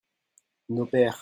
nos pères.